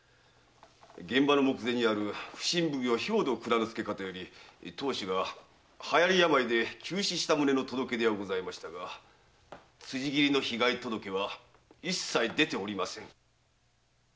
現場の目前にある普請奉行兵藤内蔵介方より当主が流行り病で急死した旨の届け出がございましたが辻斬りの被害届は一切出ておりません。